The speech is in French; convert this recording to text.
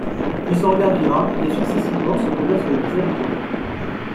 Puis son regard vira, et, successivement, se posa sur les visages autour d'elle.